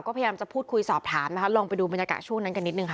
ก็พยายามจะพูดคุยสอบถามนะคะลองไปดูบรรยากาศช่วงนั้นกันนิดนึงค่ะ